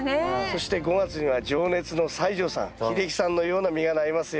そして５月には情熱の西城さん秀樹さんのような実がなりますよ。